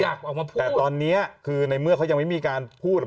อยากออกมาพูดแต่ตอนนี้คือในเมื่อเขายังไม่มีการพูด